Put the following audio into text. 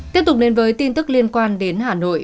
tiếp tục đến với tin tức liên quan đến hà nội